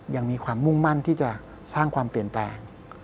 ยังมีความมุ่งมั่นที่จะสร้างความเปลี่ยนแปลง